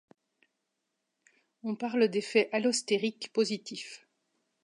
On parle d'effet allostérique positif.